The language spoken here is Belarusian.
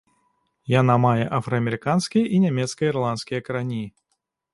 Яна мае афраамерыканскія і нямецка-ірландскія карані.